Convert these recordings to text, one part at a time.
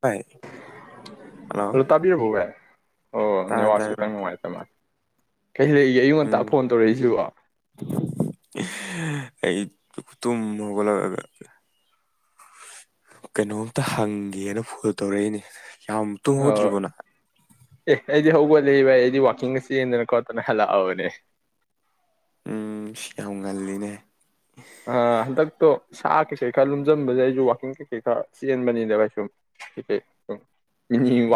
ꯚꯥꯏ ꯍꯜꯂꯣ ꯔꯇꯥꯕꯤꯕꯒꯦ ꯑꯣ ꯇꯥꯔꯦ ꯅꯤꯋꯥꯁ ꯇꯥꯔꯦ ꯈꯤꯇꯪ ꯚꯥꯏ ꯅꯨꯡꯉꯥꯏꯇꯅꯥꯏ ꯀꯩꯁꯤꯜꯂꯛꯏꯒꯦ ꯑꯌꯨꯛ ꯎꯝ ꯉꯇꯥ ꯐꯣꯟ ꯇꯧꯔꯛꯏꯁꯤ ꯍꯨꯇꯨꯝ ꯍꯒ ꯂ ꯀꯦ ꯀꯩꯅꯣꯝꯇ ꯍꯪꯒꯦꯅ ꯐꯣꯟ ꯇꯧꯔꯛꯏꯅꯦ ꯌꯥꯝ ꯇꯨꯝ ꯍꯧꯒꯗ꯭ꯔꯤꯕꯣꯅꯍ ꯑꯦ ꯑꯩꯗꯤ ꯍꯧꯧꯕꯂꯕ ꯑꯩꯗꯤ ꯋꯥꯋꯥꯛꯀꯤꯡꯒ ꯆꯦꯟꯗꯅ ꯈꯣꯠꯇꯅ ꯍꯜꯂꯛꯑꯕꯅꯦ ꯎꯝ ꯁꯤ ꯌꯥꯝ ꯉꯜꯂꯤꯅꯦ ꯑ ꯍꯟꯗꯛꯇꯣ ꯁꯥ ꯀꯩꯀꯩ ꯈꯔ ꯂꯨꯝꯖꯟꯕꯁꯦ ꯑꯩꯁꯨ ꯋꯥꯛꯀꯤꯡ ꯀꯩꯀꯩ ꯈꯔ ꯆꯦꯟꯕꯅꯤꯅꯦꯕ ꯁꯨꯝ ꯀꯩ ꯁꯨꯝ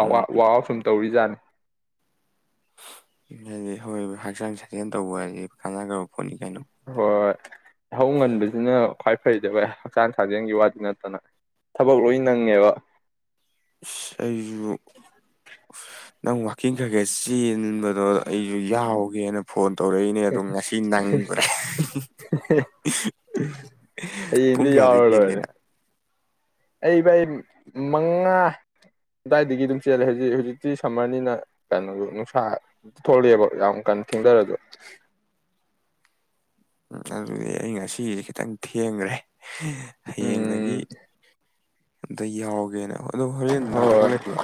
ꯎꯝ ꯑꯥꯎꯠ ꯁꯨꯝ ꯇꯧꯔꯤꯖꯥꯠꯅꯦ ꯍꯥꯏꯗꯤ ꯍꯣꯏ ꯍꯛꯆꯥꯡ ꯁꯥꯖꯦꯜ ꯇꯧꯕ ꯍꯥꯏꯗꯤ ꯀꯥꯟꯅꯒ ꯐꯅꯤ ꯀꯥꯏꯅꯣ ꯍꯣꯏ ꯍꯧ ꯉꯟꯕꯁꯤꯅ ꯈ꯭ꯋꯥꯏ ꯐꯩꯗꯕ ꯍꯛꯆꯥꯡ ꯁꯥꯖꯦꯜꯒꯤ ꯋꯥꯗꯤ ꯅꯠꯇꯅ ꯊꯕꯛ ꯂꯣꯏ ꯅꯪꯉꯦꯕ ꯑꯩꯁꯨꯕꯨ ꯅꯪ ꯋꯥꯋꯥꯛꯀꯤꯡ ꯈ꯭ꯔꯒꯦ ꯆ ꯑꯗꯨꯗꯣ ꯑꯩꯁꯨ ꯌꯥꯎꯒꯦꯅ ꯐꯣꯟ ꯇꯧꯔꯛꯏꯅꯦ ꯑꯣ ꯉꯁꯤ ꯅꯪꯕ꯭ꯔꯥ ꯄꯨꯡ ꯍꯌꯦꯡꯗꯤ ꯀꯌꯥꯗ ꯌꯥꯎꯔ ꯂꯣꯏꯔꯦ ꯌꯦꯡꯒꯦꯅ ꯑꯩ ꯚꯥꯏ ꯃꯉꯥ ꯑꯗꯨꯋꯥꯏꯗꯒꯤ ꯑꯗꯨꯝ ꯆꯦꯜꯂꯦ ꯍꯧꯖꯤꯛ ꯍꯧꯖꯤꯛꯇꯤ ꯁꯝꯃꯔꯅꯤꯅ ꯀꯩꯅꯣꯁꯨ ꯅꯨꯡꯁꯥ ꯊꯣꯛꯂꯑꯦꯕ ꯌꯥꯝ ꯀꯟ ꯊꯦꯡꯗꯔꯁꯨ ꯑꯗꯨꯗꯤ ꯑꯩ ꯉꯁꯤ ꯈꯤꯇꯪ ꯊꯦꯡꯒ꯭ꯔꯦ ꯍꯌꯦꯡꯗꯒꯤ ꯎꯝ ꯑꯗ ꯌꯥꯎꯒꯦꯅ ꯍꯣꯏ ꯑꯗꯣ ꯍꯣꯔꯦꯟꯗꯤ ꯅꯪ ꯊꯕꯛ ꯍꯣꯏ ꯂꯩꯕ꯭ꯔꯣ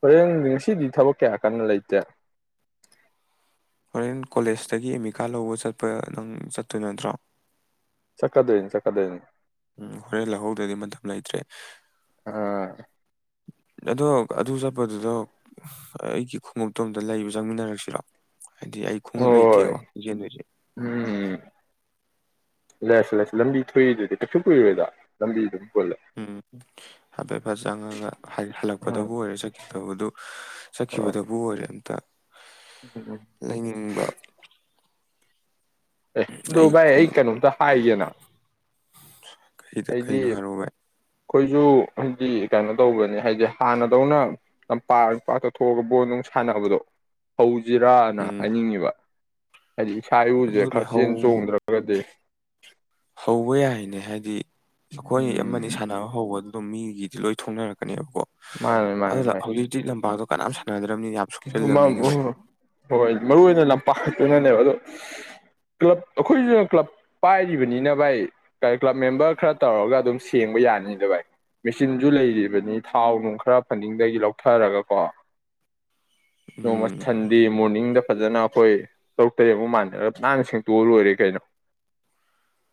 ꯍꯣꯔꯦꯟ ꯉꯁꯤꯗꯤ ꯊꯕꯛ ꯀꯌꯥ ꯀꯟꯅ ꯂꯩꯇꯦ ꯍꯣꯔꯦꯟ ꯀꯣꯂꯦꯖꯇꯒꯤ ꯑꯦꯃꯤꯀꯥꯠ ꯂꯧꯕ ꯆꯠꯄ ꯅꯪ ꯆꯠꯇꯣꯏ ꯅꯠꯇ꯭ꯔꯣ ꯆꯠꯀꯗꯣꯏꯅꯦ ꯆꯠꯀꯗꯣꯏꯅꯦ ꯎꯝ ꯍꯣꯔꯦꯟ ꯂꯧꯍꯧꯗꯗꯤ ꯃꯇꯝ ꯂꯩꯇ꯭ꯔꯦ ꯑꯥ ꯑꯗꯣ ꯑꯗꯨ ꯆꯠꯄꯗꯨꯗꯣ ꯑꯩꯒꯤ ꯈꯣꯡꯎꯞꯇꯣ ꯑꯝꯇ ꯂꯩꯕ ꯆꯪꯃꯤꯟꯅꯔꯛꯁꯤꯔꯣ ꯍꯥꯏꯗꯤ ꯑꯩ ꯈꯣꯡꯎꯞ ꯍꯣꯏ ꯂꯩꯇꯦꯕ ꯆꯦꯟꯗꯣꯏꯁꯦ ꯂꯩꯁꯦ ꯂꯩꯁꯦ ꯂꯝꯕꯤ ꯊꯣꯛꯏꯗꯨꯗꯤ ꯀꯩꯁꯨ ꯀꯨꯏꯔꯣꯏꯗ ꯂꯝꯕꯤꯗꯨꯝ ꯎꯝ ꯍꯥꯏꯐꯦꯠ ꯐꯠ ꯆꯪꯉꯒ ꯑꯥ ꯍꯜꯂꯛꯄꯗꯕꯨ ꯑꯣꯏꯔꯦ ꯆꯠꯈꯤꯕꯗꯕꯨ ꯑꯣ ꯆꯠꯈꯤꯕꯗꯕꯨ ꯑꯣꯏꯔꯦ ꯑꯝꯇ ꯎꯝ ꯂꯩꯅꯤꯡꯕ ꯑꯦ ꯑꯗꯨ ꯚꯥꯏ ꯑꯩ ꯀꯩꯅꯣꯝꯇ ꯍꯥꯏꯒꯦꯅ ꯀꯔꯤꯗ ꯀꯩꯅꯣ ꯍꯥꯏꯔꯛꯎ ꯕꯥꯏ ꯑꯈꯣꯏꯁꯨ ꯍꯥꯏꯗꯤ ꯀꯩꯅꯣ ꯇꯧꯕꯅꯦ ꯍꯥꯏꯗꯤ ꯍꯥꯟꯅꯗꯧꯅ ꯄ ꯄꯥꯛꯇ ꯊꯣꯛꯑꯒ ꯕꯣꯜ ꯅꯨꯡ ꯁꯥꯟꯅꯕꯗꯣ ꯍꯧ ꯖꯤꯔꯥꯅ ꯎꯝ ꯍꯥꯏꯅꯤꯡꯉꯤꯕ ꯍꯥꯏꯗꯤ ꯏꯁꯥ ꯏꯎꯁꯦ ꯑꯗꯨꯅꯦ ꯈꯔ ꯆꯦꯟ ꯍꯧ ꯆꯣꯡꯗ꯭ꯔꯒꯗꯤ [unintelligible] ꯍꯧꯕ ꯌꯥꯏꯅꯦ ꯍꯥꯏꯗꯤ ꯑꯈꯣꯏ ꯑꯃꯅꯤ ꯎꯝ ꯁꯥꯟꯅꯕ ꯍꯧꯕ ꯑꯗꯣ ꯃꯤꯒꯤꯗꯤ ꯂꯣꯏ ꯊꯣꯛꯅꯔꯛ ꯀꯅꯤꯕꯀꯣ ꯃꯥꯅꯦ ꯃꯥꯅꯦ ꯑꯗꯨꯗ ꯍꯧꯖꯤꯛꯇꯤ ꯂꯝꯄꯥꯛꯇꯣ ꯀꯅꯥꯝ ꯁꯥꯟꯅꯗ꯭ꯔꯕꯅꯤꯅ ꯌꯥꯝ ꯃꯝ ꯁꯣꯛꯆꯜꯂꯕꯅꯤꯅꯦ ꯎ ꯚꯥꯏ ꯍꯣꯏ ꯃꯔꯨ ꯑꯣꯏꯅ ꯂꯝꯄꯥꯛꯇꯨꯅꯅꯦꯕ ꯑꯗꯣ ꯀ꯭ꯂꯕ ꯑꯈꯣꯏꯁꯨꯅ ꯀ꯭ꯂꯕ ꯄꯥꯏꯔꯤꯕꯅꯤꯅ ꯚꯥꯏ ꯀ꯭ꯂꯕ ꯃꯦꯝꯕꯔ ꯈꯔ ꯇꯧꯔꯒ ꯑꯗꯨꯝ ꯁꯦꯡꯕ ꯌꯥꯅꯤꯗ ꯚꯥꯏ ꯃꯦꯆꯤꯟꯁꯨ ꯂꯩꯔꯤꯕꯅꯤ ꯊꯥꯎ ꯅꯨꯡ ꯈꯔ ꯐꯟꯗꯤꯡꯗꯩ ꯂꯧꯊꯔꯒꯀꯣ ꯅꯣꯡꯃ ꯎꯝ ꯁꯟꯗꯦ ꯃꯣꯔꯅꯤꯡꯗ ꯐꯖꯅ ꯑꯈꯣꯏ ꯇꯔꯨꯛ ꯇꯔꯦꯠꯃꯨꯛꯐ ꯃꯥꯟꯅꯔ ꯅꯥꯟꯅ ꯁꯦꯡꯇꯣꯛꯑ ꯂꯣꯏꯔꯦ ꯀꯩꯅꯣ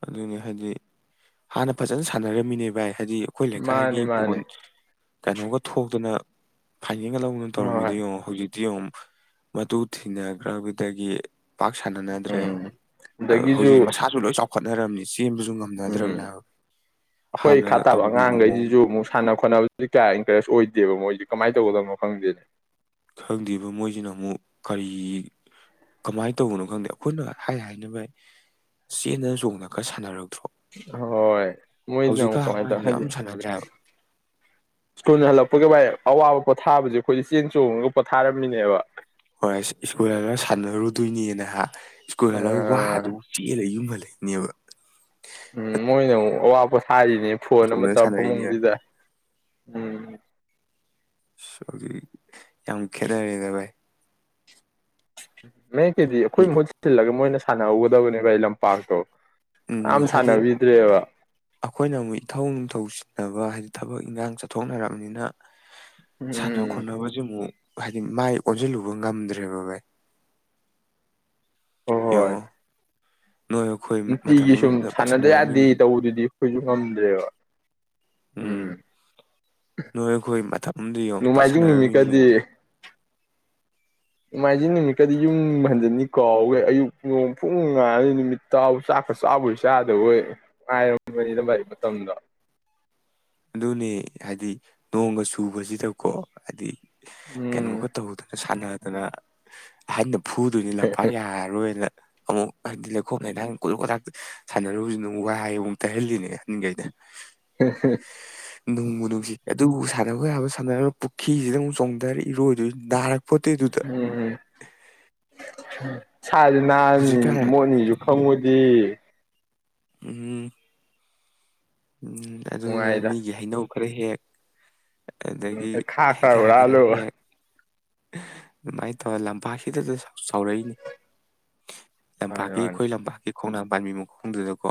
ꯑꯗꯨꯅꯤ ꯍꯥꯏꯗꯤ ꯍꯥꯟꯅ ꯐꯖꯅ ꯁꯥꯟꯅꯔꯝꯃꯤꯅꯦ ꯚꯥꯏ ꯍꯥꯏꯗꯤ ꯑꯈꯣꯏ ꯂꯩꯀꯥꯏꯒꯤ ꯃꯥꯅꯤ ꯕꯣꯟ ꯃꯥꯅꯤ ꯀꯩꯅꯣꯒ ꯊꯣꯛꯇꯅ ꯐꯥꯏꯅꯦꯟꯒ ꯂꯧꯗꯅ ꯇꯧꯔꯝꯃꯤꯗ ꯍꯣꯏ ꯌꯦꯉꯣ ꯍꯧꯖꯤꯛ ꯗꯨꯌꯦꯡꯉꯨ ꯃꯇꯨ ꯊꯤꯅꯈ꯭ꯔꯕꯗꯒꯤ ꯄꯥꯛ ꯁꯅꯅꯗ꯭ꯔꯦ ꯎꯝ ꯑ ꯑꯗꯒꯤꯁꯨ ꯍꯧꯖꯤꯛ ꯃꯁꯥꯁꯨ ꯂꯣꯏ ꯆꯥꯎ ꯍꯣꯠꯅꯔꯝꯃꯤ ꯎꯝ ꯑꯩꯈꯣꯏ ꯍꯥꯟꯅ ꯈꯥ ꯇꯥꯕ ꯇꯧꯔꯝꯃꯤꯕ ꯃꯑꯣꯡꯗꯣ ꯑꯉꯥꯡꯈꯩꯁꯤꯁꯨ ꯑꯃꯨꯛ ꯁꯥꯟꯅ ꯈꯣꯠꯅꯕꯁꯤ ꯀꯌꯥ ꯏꯟꯀꯔꯦꯁ ꯑꯣꯏꯗꯦ ꯗꯦꯕ ꯃꯣꯏꯗꯤ ꯀꯃꯥꯏꯅ ꯇꯧꯒꯗꯕꯅꯣ ꯈꯪꯗꯦꯅꯦ ꯈꯪꯗ꯭ꯔꯤꯕ ꯃꯣꯏꯁꯤꯅ ꯑꯃꯨꯛ ꯀꯔꯤ ꯀꯃꯥꯏꯅ ꯇꯧꯕꯅꯣ ꯈꯪꯗꯦ ꯑꯩꯈꯣꯏꯅ ꯍꯥꯏ ꯍꯥꯏꯅꯕ ꯆꯦꯟꯗꯅ ꯆꯣꯡꯅꯒ ꯁꯥꯟꯅꯔꯒ ꯍꯣꯏ ꯃꯣꯏꯗꯤꯅ ꯑꯃꯨꯛ ꯀꯃꯥꯏꯅ ꯇꯧꯋꯦ ꯑꯉꯥꯡꯁꯤꯡꯁꯦ ꯌꯥꯝ ꯍꯥꯏꯗꯤ ꯁꯥꯟꯅꯗ꯭ꯔꯦ ꯍꯥꯏꯕ ꯁ꯭ꯀꯨꯜ ꯍꯜꯂꯛꯄꯒ ꯑꯋꯥꯕ ꯄꯣꯊꯥꯕꯁꯦ ꯑꯩꯈꯣꯏꯗ ꯆꯦꯟ ꯆꯣꯡꯉꯒ ꯄꯣꯊꯥꯔꯝꯃꯤꯅꯦꯕ ꯍꯣꯏ ꯑꯁ ꯁ꯭ꯀꯨꯜ ꯍꯜꯂꯒ ꯁꯥꯟꯅꯔꯨꯗꯣꯏꯅꯦ ꯅꯍꯥꯛ ꯁ꯭ꯀꯨꯜ ꯍꯜꯂꯒ ꯑ ꯋꯥꯗꯨꯕꯨ ꯆꯦꯜꯂ ꯌꯨꯝꯍꯜꯂ ꯕ ꯎꯝ ꯃꯣꯏꯅꯦ ꯋꯥꯄ ꯍꯥꯏꯔꯤꯅꯦ ꯐꯣꯟ ꯑꯃ ꯇꯣꯡꯅ ꯇ ꯁꯥꯟꯅꯔꯤꯅꯦ ꯐꯃꯨꯡꯁꯤꯗ ꯎꯝ ꯁ ꯍꯧꯖꯤꯛ ꯌꯥꯝ ꯈꯦꯅꯔꯦꯗ ꯚꯥꯏ ꯎ ꯃꯦꯛ ꯀꯦꯗꯤ ꯑꯩꯈꯣꯏ ꯃꯍꯨꯠ ꯁꯤꯜꯂꯒ ꯃꯣꯏꯅ ꯁꯥꯟꯅꯍꯧꯒꯗꯕꯅꯦꯕ ꯑꯩ ꯂꯝꯄꯥꯛꯇꯣ ꯎꯝ ꯀꯅꯥꯝ ꯍꯥꯏꯗꯤ ꯁꯥꯟꯅꯕꯤꯗ꯭ꯔꯦꯕ ꯑꯩꯈꯣꯏꯅ ꯑꯃꯨꯛ ꯏꯊꯧ ꯅꯤꯡꯊꯧꯁꯤꯕ ꯍꯥꯏ ꯊꯕꯛ ꯏꯟꯈꯥꯡ ꯆꯠꯊꯣꯛꯅꯔꯕꯅꯤꯅ ꯁꯥꯟꯅꯕ ꯎꯝ ꯈꯣꯟꯅꯕ ꯆꯨꯝ ꯍꯥꯏꯗꯤ ꯃꯥꯏ ꯑꯣꯟꯁꯤꯜꯂꯨꯕ ꯉꯝꯗ꯭ꯔꯦꯕ ꯚꯥꯏ ꯍꯣ ꯍꯣꯏ ꯌꯦꯡꯉꯣ ꯅꯣꯏ ꯑꯩꯈꯣꯏ ꯃꯇꯝ ꯅꯨꯡꯇꯤꯒꯤ ꯁꯨꯝ ꯑꯃꯗ ꯐꯠ ꯁꯥꯟꯅꯗ ꯌꯥꯗꯦ ꯁꯥꯟꯅꯔꯝꯃꯤꯅꯤ ꯇꯧꯕꯗꯨꯗꯤ ꯑꯩꯈꯣꯏꯁꯨ ꯉꯝꯗ꯭ꯔꯦꯕ ꯎꯝ ꯅꯣꯏ ꯑꯩꯈꯣꯏ ꯃꯇꯝ ꯑꯃꯗ ꯌꯦꯡꯉ ꯄꯥꯠ ꯅꯣꯡꯃꯥꯏꯖꯤꯡ ꯁꯥꯟꯅꯔꯝꯃꯤꯅꯤ ꯌꯦꯡꯉ ꯅꯨꯃꯤꯠꯀꯗꯤ ꯅꯣꯡꯃꯥꯏꯖꯤꯡ ꯅꯨꯃꯤꯠꯀꯗꯤ ꯌꯨꯝ ꯍꯟꯖꯤꯅꯤꯀꯣꯈꯦ ꯑꯌꯨꯛ ꯅꯣꯡ ꯄꯨꯡ ꯉꯉꯥꯅꯤ ꯅꯨꯃꯤꯠꯕ ꯆꯥꯛꯀ ꯆꯥꯕꯩ ꯆꯥꯗꯕꯣꯏ ꯉꯥꯏꯔꯝꯕꯅꯤꯅ ꯂꯩ ꯃꯇꯝꯗ ꯑꯗꯨꯅꯦ ꯍꯥꯏꯗꯤ ꯅꯣꯡꯒ ꯁꯨꯕꯁꯤꯗꯀꯣ ꯍꯥꯏꯗꯤ ꯎꯝ ꯀꯩꯅꯣꯒ ꯇꯧꯗꯅ ꯁꯥꯟꯅ ꯑꯗꯨꯅ ꯑꯍꯟ ꯐꯨꯗꯣꯏꯅꯤ ꯂꯝꯄꯥꯛ ꯌꯥꯔꯔꯣꯏꯅ ꯑꯃꯨꯛ ꯍꯥꯏꯕꯗꯤ ꯂꯩꯈꯣꯝ ꯂꯩꯅꯥꯡ ꯀꯣꯊꯣꯛ ꯀꯣꯊꯥꯛꯇ ꯁꯥꯟꯅꯔꯨꯕꯁꯨ ꯑꯗꯨꯨꯛ ꯋꯥꯏ ꯍꯥꯏ ꯑꯃꯨꯛ ꯇꯩꯍꯜꯂꯤꯅꯦ ꯑꯍꯟꯈꯩꯗ ꯍ ꯍ ꯅꯣꯡꯕꯨꯨ ꯅꯨꯡꯁꯤ ꯑꯗꯨꯕꯨ ꯁꯥꯟꯅꯕ ꯌꯥꯕ ꯁꯥꯟꯅꯅꯕ ꯄꯨꯈ꯭ꯔꯤꯁꯤꯗ ꯑꯃꯨꯛ ꯆꯣꯡꯊꯔ ꯏꯔꯣꯏꯗꯣꯏ ꯅꯥꯔꯛ ꯎꯝ ꯁꯥꯁꯤ ꯍꯥꯟꯅꯤ ꯍꯧꯖꯤꯛꯀꯥꯟ ꯃꯣꯠꯅꯤꯁꯨ ꯈꯪꯉꯨꯗꯤ ꯎꯝ ꯑꯗꯨꯗ ꯅꯨꯡꯉꯥꯏꯗ ꯃꯤꯒꯤ ꯍꯩꯅꯧ ꯐꯈꯔ ꯍꯦꯛ ꯑꯗꯒꯤ ꯎ ꯈꯥ ꯍꯩꯈꯥ ꯈꯔ ꯈꯔꯕꯔꯂꯨ ꯍꯦꯛ ꯑꯗꯨꯃꯥꯏꯅ ꯇꯧꯔꯒ ꯂꯝꯄꯥꯛꯁꯤꯗꯗ ꯆꯥꯎꯔꯛꯏꯅꯤ ꯃꯥꯅꯤ ꯂꯝꯄꯥꯛꯀꯤ ꯃꯥꯅꯤ ꯑꯩꯈꯣꯏ ꯂꯝꯄꯥꯛꯀꯤ ꯈꯣꯡꯅꯥ ꯄꯥꯝꯕꯤ ꯃꯈꯣꯡꯗꯨꯅꯀꯣ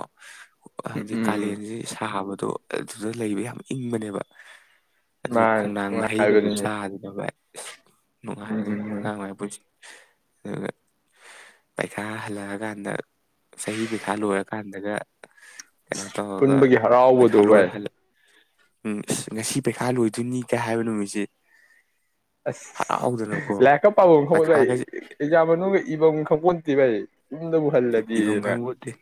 ꯎꯝ ꯍꯗꯤ ꯎꯝ ꯀꯥꯂꯟꯖꯤ ꯇꯥꯕꯗꯣ ꯑꯗꯨꯗ ꯂꯩꯕ ꯌꯥꯝ ꯏꯪꯕꯅꯦꯕ ꯑꯗꯨ ꯃꯥꯅꯤ ꯈꯣꯡꯅꯥꯡ ꯃꯍꯩꯒꯗꯨ ꯅꯨꯡꯉꯥꯏꯕꯅꯤꯅꯦ ꯆꯥꯗꯅꯕ ꯏꯁ ꯅꯨꯡꯉ ꯎꯝ ꯎꯝ ꯍꯥꯏꯈ ꯎꯝ ꯉꯥꯡꯥꯏ ꯄꯨꯁꯤ ꯑꯗꯨꯒ ꯄꯩꯈꯥ ꯍꯜꯂꯛꯑꯀꯥꯟꯗ ꯆꯍꯤ ꯄꯩꯈꯥ ꯂꯣꯏꯔꯀꯥꯟꯗꯒ ꯌꯦꯅ ꯇ ꯍꯒ ꯍꯔꯥꯎꯕꯗꯨ ꯏ ꯎꯝ ꯑꯁ ꯉꯁꯤ ꯄꯩꯈꯥ ꯂꯣꯏꯗꯣꯏꯅꯤ ꯀꯩ ꯍꯥꯏꯕ ꯅꯨꯃꯤꯠꯁꯦ ꯑꯁ ꯍꯔꯥꯎꯗꯅꯀꯣ ꯂꯥꯏꯔꯤꯛꯀ ꯄꯥꯕ ꯑꯃ ꯈꯪꯕ ꯏ ꯄꯩꯈꯥꯒꯁꯦ ꯑꯦꯛꯖꯥ ꯃꯅꯨꯡꯒ ꯏꯕ ꯑꯃ ꯈꯪꯄꯣꯟ ꯗꯤꯚꯩ ꯏꯕ ꯈꯥꯡꯦ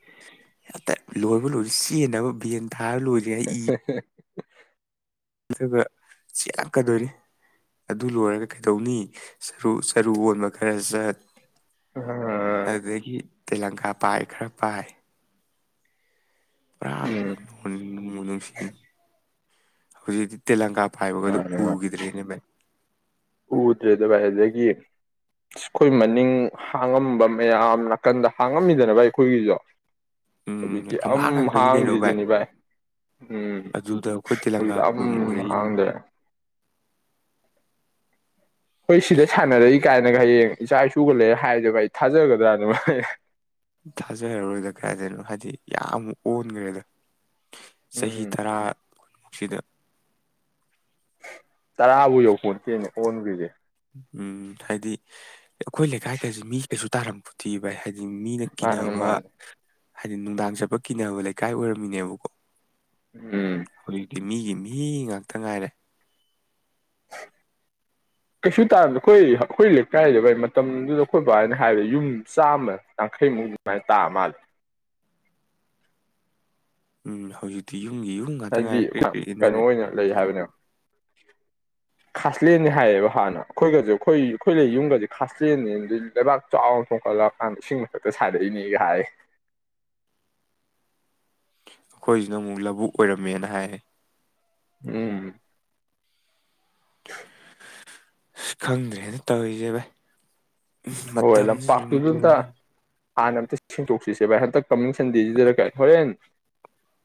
ꯂꯍꯔꯕꯨ ꯁꯤꯟꯅꯅꯕ ꯕꯤꯌꯦꯟꯗ ꯊꯥ ꯂ ꯑꯣꯏꯔꯤꯌꯥ ꯏ ꯆꯕ ꯁꯤ ꯌꯥꯝ ꯀꯗꯣꯅꯤ ꯑꯗꯨ ꯂꯣꯏꯔꯒ ꯀꯩꯗꯧꯅꯤꯔꯨ ꯆꯔꯨ ꯑꯣꯟꯕ ꯈꯔ ꯆ ꯑ ꯑꯗꯨꯗꯒꯤꯗꯒꯤ ꯇꯦꯂꯪꯀꯥ ꯄꯥꯏ ꯈꯔ ꯄꯥꯏ ꯄꯨꯔꯥ ꯎꯝ ꯅ ꯃꯨꯅꯁꯤꯟ ꯍꯧꯖꯤ ꯇꯦꯂꯪꯒꯥ ꯄꯥꯏꯕꯒꯗꯨ ꯃꯥꯅꯦ ꯃꯥꯅꯦ ꯎꯈꯤꯗ꯭ꯔꯦꯅꯦ ꯃ ꯎꯗ꯭ꯔꯦꯗ ꯚꯏ ꯑꯗꯒꯤ ꯑꯩꯈꯣꯏ ꯃꯅꯤꯡ ꯍꯥꯡꯉꯝꯕ ꯃꯌꯥꯝ ꯅꯥꯀꯟꯗ ꯍꯥꯡꯉꯝꯃꯤꯗꯅ ꯚꯥꯏ ꯑꯩꯈꯣꯏꯒꯤꯁꯨꯣ ꯎꯝ ꯍꯧꯖꯤꯛꯇꯤ ꯑꯝ ꯊꯝꯕꯥꯛ ꯉꯥꯛꯇꯅꯤ ꯀꯩꯅꯣ ꯍꯥꯡꯗ꯭ꯔꯤꯁꯨꯨꯅꯤ ꯚꯥꯏ ꯎꯝ ꯑꯗꯨꯗ ꯑꯩꯈꯣꯏ ꯍꯧꯖꯤꯛꯇꯤ ꯇꯦꯂꯪꯀꯥ ꯑꯝ ꯄꯥꯏꯕꯝ ꯑꯣꯏꯔꯛꯏꯅꯤ ꯍꯥꯡꯗꯦ ꯍꯣꯏ ꯁꯤꯗ ꯁꯥꯟꯅꯔꯛꯏ ꯀꯥꯏꯅꯒ ꯍꯌꯦꯡ ꯏꯆꯥ ꯏꯁꯨꯒ ꯂꯩꯔꯦ ꯍꯥꯏꯗꯨꯕ ꯑꯩ ꯊꯥꯖꯒꯗ꯭ꯔꯥꯅꯃ ꯊꯥꯖꯔꯔꯨꯔꯣꯏꯗ ꯀꯗꯥꯏꯗꯅꯣ ꯍꯥꯏꯗꯤ ꯌꯥꯝꯨꯛ ꯑꯣꯟꯈ꯭ꯔꯦꯗ ꯆꯍꯤ ꯎꯝ ꯇꯔꯥꯨꯟꯃꯨꯛꯁꯤꯗ ꯇꯔꯥꯕꯨ ꯌꯧꯐꯣꯟ ꯆꯦꯅꯦ ꯑꯣꯟꯈ꯭ꯔꯤꯁꯦ ꯎꯝ ꯍꯥꯏꯗꯤ ꯑꯩꯈꯣꯏ ꯂꯩꯀꯥꯏ ꯀꯖꯦ ꯃꯤ ꯀꯩꯁꯨ ꯇꯥꯔꯝꯄꯣꯠꯇꯦ ꯚꯥꯏ ꯍꯥꯏꯗ ꯗꯤ ꯃꯤꯅ ꯃꯥꯅꯦ ꯀꯤꯅꯕ ꯃꯥꯅꯦ ꯍꯥꯏꯗꯤ ꯅꯨꯡꯗꯥꯡ ꯆꯠꯄ ꯀꯤꯅꯕ ꯂꯩꯀꯥꯏ ꯑꯣꯏꯔꯝꯃꯤꯅꯦꯕꯀꯣ ꯎꯝ ꯍꯧꯖꯤꯛꯇꯤ ꯃꯤꯒꯤ ꯃꯤ ꯉꯥꯛꯇ ꯉꯥꯏꯔꯦ ꯀꯩꯁꯨ ꯇꯥꯔꯝꯗꯦ ꯈꯣꯏ ꯑꯈꯣꯏ ꯂꯩꯀꯥꯏ ꯚꯥꯏ ꯃꯇꯝꯗꯨꯗ ꯑꯈꯣꯏ ꯕꯥꯅ ꯍꯥꯏꯕꯗ ꯌꯨꯝ ꯆꯥꯝꯃ ꯌꯥꯡꯈꯩꯃꯨꯛ ꯑꯗꯨꯃꯥꯏꯅ ꯇꯥ ꯃꯥꯜꯂꯦ ꯎꯝ ꯍꯧꯖꯤꯛꯇꯤ ꯌꯨꯝ ꯌꯨꯝꯒꯤ ꯉꯥꯛꯇ ꯍꯥꯏꯗꯤ ꯉꯥꯏꯔꯦ ꯀ꯭ꯔꯤꯛ ꯀ꯭ꯔꯤꯛ ꯀꯩꯅꯣ ꯏꯟꯅꯔꯦ ꯑꯣꯏꯅ ꯂꯩ ꯍꯥꯏꯕꯅꯦꯕ ꯈꯥꯁꯂꯦꯟꯅꯤ ꯍꯥꯏꯌꯦꯕ ꯍꯥꯟꯅ ꯑꯈꯣꯏꯒꯖꯦ ꯈꯣꯏ ꯈꯣꯏ ꯂꯩ ꯌꯨꯝꯒꯖꯦ ꯈꯥꯁꯂꯦꯟꯅꯤ ꯂꯩꯕꯥꯛ ꯆꯥꯎꯅ ꯊꯣꯡꯀꯠꯂꯛꯑꯀꯥꯟꯗ ꯏꯁꯤꯡ ꯃꯊꯛꯇ ꯁꯥꯔꯛꯏꯅꯦꯒ ꯍꯥꯏ ꯑꯈꯣꯏꯖꯤꯅ ꯑꯃꯨꯛ ꯂꯧꯕꯨꯛ ꯑꯣꯏꯔꯝꯃꯦꯅ ꯍꯥꯏ ꯎꯝ [unintelligible] ꯑꯁ ꯈꯪꯗ꯭ꯔꯦꯅꯦ ꯇꯧꯏ ꯖꯦ ꯚꯥꯏ ꯍꯣꯏ ꯃꯇꯝꯁꯤ ꯂꯨꯝ ꯂꯝꯄꯥꯛꯇꯨꯗꯨꯝꯇ ꯂꯨꯔꯦ ꯍꯥꯟꯅ ꯑꯝꯇ ꯁꯦꯡꯇꯣꯛꯁꯤꯁꯦꯚꯥꯏ ꯍꯟꯇꯛ ꯀꯃꯤꯡ ꯁꯟꯗꯦꯖꯤꯗꯔ ꯀꯥꯏ ꯍꯣꯔꯦꯟ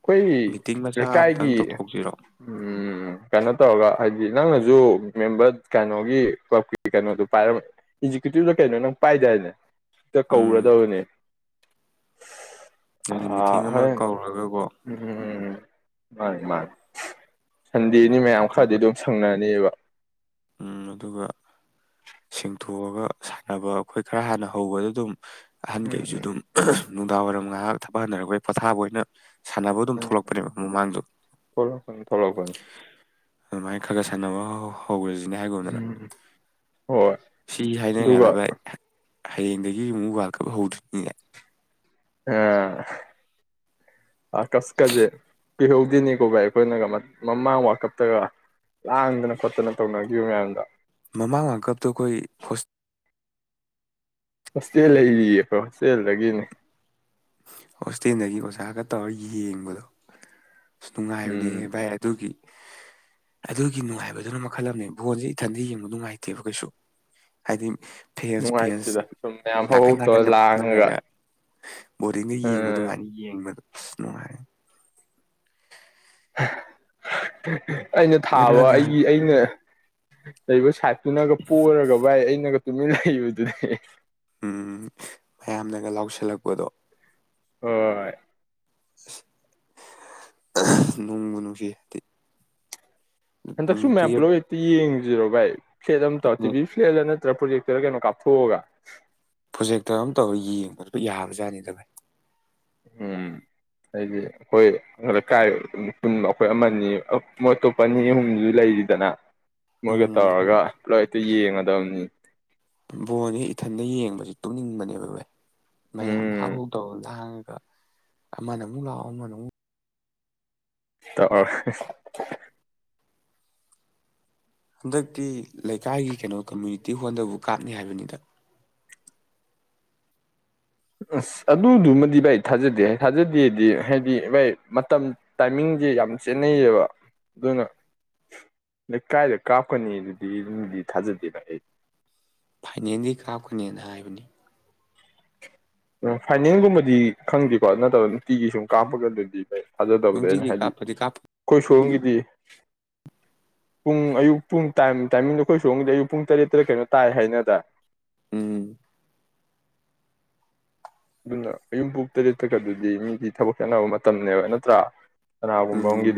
ꯑꯈꯣꯏꯒꯤ ꯃꯤꯇꯤꯡ ꯃꯆꯥ ꯂꯩꯀꯥꯏꯒꯤ ꯑꯝꯇꯪ ꯇꯧꯊꯣꯛꯁꯤꯔꯣ ꯎꯝ ꯎꯝ ꯀꯩꯅꯣ ꯇꯧꯔꯒ ꯍꯥꯏꯗꯤ ꯅꯪꯅꯖꯨ ꯃꯦꯝꯕꯔ ꯀꯩꯅꯣꯒꯤ ꯀ꯭ꯂꯕꯀꯤ ꯀꯩꯅꯣꯗꯨ ꯄꯥꯏꯔ ꯑꯦꯛꯖꯤꯀꯌꯨꯇꯤꯞ ꯀꯩꯅꯣ ꯅꯪ ꯄꯥꯏꯗꯥꯏ ꯅꯦ ꯇ ꯎꯝ ꯀꯧꯔꯗꯕꯅꯦ ꯑ ꯍꯥꯏꯗꯤ ꯃꯤꯇꯤꯡ ꯑꯃ ꯍꯣꯔꯦꯟ ꯀꯧꯔꯒꯀꯣ ꯎꯝ ꯃꯥꯅꯤ ꯃꯥꯅꯤ ꯁꯟꯗꯦꯅꯤ ꯃꯌꯥꯝ ꯈꯔꯗꯤ ꯑꯗꯨꯒ ꯑꯗꯨꯝ ꯁꯪꯅꯅꯦꯕ ꯎꯝ ꯑꯗꯨꯒ ꯁꯦꯡꯊꯣꯛꯑꯒ ꯁꯥꯟꯅꯕ ꯑꯈꯣꯏ ꯈꯔ ꯍꯥꯟꯅ ꯍꯧꯕꯗ ꯑꯗꯨꯝ ꯎꯝ ꯑꯍꯟꯒꯩꯖꯨ ꯑꯗꯨꯝ ꯅꯨꯡꯗꯥꯡꯋꯥꯏꯔꯝ ꯉꯥꯏꯍꯥꯛ ꯊꯕꯛ ꯍꯟꯅꯔꯛ ꯄꯩ ꯄꯣꯊꯥꯕ ꯑꯣꯏꯅ ꯁꯥꯟꯅꯕ ꯑꯗꯨꯝ ꯎꯝ ꯊꯣꯛꯂꯛꯄꯅꯦꯕ ꯃꯃꯥꯡꯗꯨ ꯊꯣꯛꯂꯛꯄꯅꯤ ꯊꯣꯛꯂꯛꯄꯅꯤ ꯑꯗꯨꯃꯥꯏꯅ ꯈꯒ ꯁꯥꯟꯅꯕ ꯍꯧꯔꯖꯤꯅꯦ ꯍꯥꯏꯒꯨꯝꯗꯅ ꯎꯝ ꯍꯣꯏ ꯁꯤ ꯑꯗꯨꯒ ꯍꯥꯏꯅꯩꯉꯥꯏꯗ ꯚꯥꯏ ꯍꯌꯦꯡꯗꯒꯤ ꯃꯨꯛ ꯋꯥꯜ ꯀꯞ ꯍꯧꯗꯨꯏꯅꯤꯅꯦ ꯑ ꯋꯥꯔꯜ ꯀꯞꯁꯦ ꯀꯥꯖꯦ ꯀꯨꯏꯍꯧꯗꯦꯅꯦꯀꯣ ꯚꯥꯏ ꯑꯈꯣꯏꯅꯒ ꯃꯃꯥꯡ ꯋꯥꯔꯜ ꯀꯞꯇꯒ ꯂꯥꯡꯗꯅ ꯈꯣꯠꯇꯅ ꯇꯧꯅꯒꯤꯕ ꯃꯌꯥꯝꯗꯣ ꯃꯃꯥꯡ ꯋꯥꯔꯜ ꯀꯞꯇ ꯑꯈꯣꯏ ꯍꯣꯁ ꯍꯣꯁꯇꯦꯜ ꯂꯩꯔꯤꯌꯦ ꯍꯣꯁꯇꯦꯜꯗꯒꯤꯅꯦ ꯍꯣꯁꯇꯦꯜꯗꯒꯤ ꯑꯣꯖꯥꯒ ꯇꯧꯔꯒ ꯌꯦꯡꯕꯗꯣ ꯑꯁ ꯎꯝ ꯅꯨꯡꯉꯥꯏꯕꯅꯦꯍꯦ ꯚꯥꯏ ꯑꯗꯨꯒꯤ ꯑꯗꯨꯒꯤ ꯅꯨꯡꯉꯥꯏꯕꯗꯨꯅ ꯃꯈꯜ ꯑꯃꯅꯤ ꯕꯣꯟꯖꯦ ꯏꯊꯟꯗꯤ ꯌꯦꯡꯕ ꯅꯨꯡꯉꯥꯏꯇꯦꯕ ꯀꯩꯁꯨ ꯍꯥꯏꯗꯤ ꯐꯦꯟꯁ ꯐꯦꯟꯁ ꯅꯨꯡꯉꯥꯏꯇꯦꯗ ꯁꯨꯝ ꯃꯌꯥꯝ ꯅꯥꯀꯟ ꯍꯧꯍꯧ ꯇꯧꯔ ꯅꯥꯀꯟꯒ ꯂꯥꯡꯉꯒ ꯐꯝꯅꯔꯒ ꯕꯣꯔꯗꯤꯡꯗ ꯌꯦꯡꯕ ꯎꯝ ꯑꯗꯨꯃꯥꯏꯅ ꯌꯦꯡꯕꯗꯣ ꯅꯨꯡꯉꯥꯏ ꯍꯥ ꯍꯥ ꯍꯦ ꯍꯦ ꯑꯩꯅ ꯊꯥꯕ ꯉꯔꯥꯡ ꯅꯍꯥꯟ ꯑꯩꯒꯤ ꯑꯩꯅ ꯂꯩꯕ ꯁꯥꯏꯠꯇꯨꯅꯒ ꯄꯣꯔꯒ ꯚꯥꯏ ꯑꯩꯅꯒ ꯇꯨꯃꯤꯟꯅ ꯂꯩꯕꯗꯨꯗꯤ ꯎꯝ ꯃꯌꯥꯝꯅꯒ ꯂꯥꯎꯁꯜꯂꯛꯄꯗꯣ ꯍꯣꯏ ꯅꯨꯡꯕꯨ ꯅꯨꯡꯁꯤ ꯍꯥꯏꯗꯤ ꯍꯟꯇꯛ ꯁꯨꯝ ꯃꯌꯥꯝ ꯇꯨꯌꯦꯞ ꯄꯨꯂꯞ ꯑꯝꯇ ꯌꯦꯡ ꯖꯤꯔꯣ ꯕꯥ ꯈꯦꯗꯝ ꯇꯧꯔ ꯇꯤ ꯕꯤ ꯐ꯭ꯂꯦꯗꯅ ꯄ꯭ꯔꯣꯖꯦꯛꯇꯔꯔ ꯀꯩꯅꯣ ꯀꯥꯞꯊꯣꯛꯑꯒ ꯄ꯭ꯔꯣꯖꯦꯛꯇꯔ ꯑꯃ ꯇꯧꯔꯒ ꯌꯦꯡꯕꯗꯨ ꯌꯥꯕꯖꯥꯠꯅꯤꯗ ꯚꯥꯏ ꯎꯝ ꯍꯥꯏꯗꯤ ꯑꯩꯈꯣꯏ ꯂꯩꯀꯥꯏ ꯄꯨꯟꯕ ꯑꯩꯈꯣꯏ ꯑꯃꯅꯤ ꯃꯣꯏ ꯑꯇꯣꯞꯄ ꯑꯅꯤ ꯑꯍꯨꯝꯁꯨ ꯂꯩꯔꯤꯗꯅ ꯃꯣꯏꯒ ꯎꯝ ꯇꯧꯔꯒ ꯂꯣꯏ ꯑꯗꯨ ꯌꯦꯡꯉꯅꯤ ꯝꯅꯤ ꯕꯣꯟꯁꯦ ꯏꯊꯟꯗ ꯌꯦꯡꯕꯁꯤ ꯇꯣꯛꯅꯤꯡꯕꯅꯦꯕ ꯚꯦ ꯃꯌꯥꯝ ꯎꯝ ꯍꯧꯍꯧ ꯇꯧꯔ ꯂꯥꯡꯉ ꯑꯃꯅ ꯑꯃꯨꯛ ꯂꯥꯛꯑꯣ ꯑꯃꯅ ꯑꯃꯨꯛ ꯇ [unintelligible] ꯍꯟꯗꯛꯇꯤ ꯂꯩꯀꯥꯏꯒꯤ ꯀꯩꯅꯣ ꯀꯝꯃꯨꯅꯤꯇꯤ ꯍꯣꯜꯗꯕꯨ ꯀꯥꯞꯅꯤ ꯍꯥꯏꯕꯅꯤꯗ ꯑꯁ ꯑꯗꯨꯗꯨꯃꯗꯤ ꯚꯥꯏ ꯊꯥꯖꯗꯦ ꯊꯥꯖꯗꯦꯗꯤ ꯍꯥꯏꯗꯤ ꯚꯥꯏ ꯃꯇꯝ ꯇꯥꯏꯃꯤꯡꯁꯦ ꯌꯥꯝ ꯆꯦꯟꯅꯩꯌꯦꯕ ꯑꯗꯨꯅ ꯂꯩ ꯀꯥꯏꯗ ꯀꯥꯞꯀꯅꯤ ꯑꯗꯨꯗꯤ ꯑꯗꯨꯝꯗꯤ ꯊꯥꯖꯗꯦ ꯚꯥꯏ ꯑꯩ ꯐꯥꯏꯅꯦꯜꯒꯤ ꯀꯥꯞꯀꯅꯦꯅ ꯍꯥꯏꯕꯅꯤ ꯎꯝ ꯐꯥꯏꯅꯦꯜꯒꯨꯝꯕꯗꯤ ꯈꯪꯗ꯭ꯔꯤꯀꯣ ꯅꯠꯇ꯭ꯔꯒ ꯅꯨꯡꯇꯤꯒꯤ ꯁꯨꯝ ꯀꯥꯞꯄꯒ ꯑꯗꯨꯗꯤꯩ ꯊꯥꯖꯗꯕꯗ ꯑꯩꯅ ꯅꯨꯡꯇꯤꯒꯤ ꯍꯥꯏꯗꯤ ꯀꯥꯞꯄꯗꯤ ꯀꯥꯞꯄ ꯑꯩꯈꯣꯏ ꯁꯣꯔꯨꯝꯒꯤ ꯗꯤ ꯄꯨꯡ ꯑꯌꯨꯛ ꯄꯨꯡ ꯇꯥꯏꯃꯤꯡꯗꯣ ꯑꯩꯈꯣꯏ ꯁꯣꯡꯒꯗꯤ ꯑꯌꯨꯛ ꯄꯨꯡ ꯇꯔꯦꯠꯇꯔ ꯀꯩꯅꯣ ꯇꯥꯏ ꯍꯥꯏꯅꯗ ꯎꯝ ꯑꯗꯨꯅ ꯑꯌꯨꯝ ꯄꯨꯡ ꯇꯔꯦꯠꯠꯇꯀ ꯑꯗꯨꯗꯤ ꯃꯤꯗꯤ ꯊꯕꯛ ꯈꯦꯠꯅꯕ ꯃꯇꯝꯅꯦꯕ ꯅꯠꯇ꯭ꯔꯥ ꯀꯅꯥꯒꯨꯝꯕ ꯑꯝꯒꯤ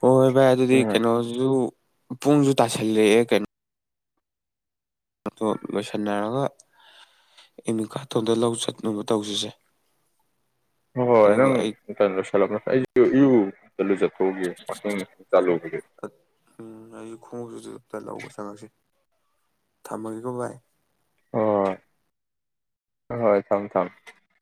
ꯍꯣꯏꯣꯏ ꯚꯥꯏ ꯑꯗꯨꯗꯤ ꯎꯝ ꯀꯩꯅꯣꯁꯨ ꯄꯨꯡꯁꯨ ꯇꯥꯁꯜꯂꯛꯑꯦ ꯀꯩꯅꯣ ꯗꯣ ꯂꯣꯏꯁꯟꯅꯔꯒ ꯏꯃꯤꯀꯥꯇꯣꯟꯗ ꯂꯧ ꯆꯠꯅꯕ ꯇꯧꯁꯤꯁꯦ ꯍꯣꯏ ꯑꯗꯨꯒ ꯅꯪ ꯑꯩ ꯀ ꯁꯅ ꯑꯩꯁꯨꯨ ꯆꯠꯂꯨ ꯆꯠꯊꯣꯛꯒꯦ ꯄꯊꯡ ꯆꯥꯂꯨꯈꯤꯗꯦ ꯎꯝ ꯑꯩ ꯈꯣꯡꯎꯞꯁꯨ ꯂꯧꯕ ꯆꯪꯉꯛꯁꯤ ꯊꯝꯃꯒꯦꯀꯣ ꯚꯏ ꯍꯣꯏ ꯍꯣꯏ ꯊꯝꯃꯦ ꯊꯝꯃꯦ